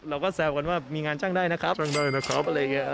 เราก็แสวกันว่ามีงานจ้างได้นะครับ